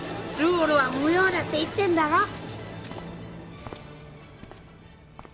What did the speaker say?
ルールは無用だって言ってんだろ！